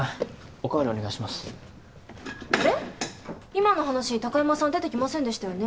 今の話に貴山さん出てきませんでしたよね。